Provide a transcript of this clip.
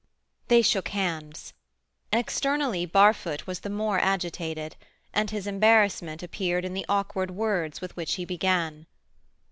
They shook hands. Externally Barfoot was the more agitated, and his embarrassment appeared in the awkward words with which he began.